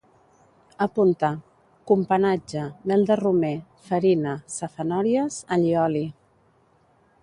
Apunta: companatge, mel de romer, farina, safanòries, allioli